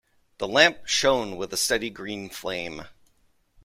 The lamp shone with a steady green flame.